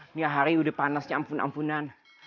nih hari udah panas aja ampun ampunan